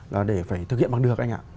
là để phải thực hiện bằng được anh ạ